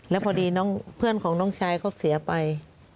แล้วพอดีเพื่อนของน้องชายเขาเสียไป